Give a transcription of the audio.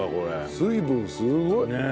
水分すごい！ねえ。